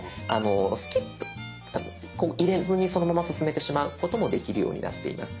こう入れずにそのまま進めてしまうこともできるようになっています。